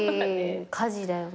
家事だよね。